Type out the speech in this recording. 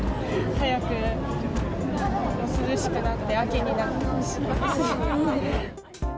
早く涼しくなって秋になってほし